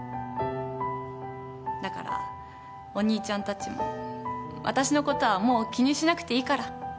だからお兄ちゃんたちも私のことはもう気にしなくていいから。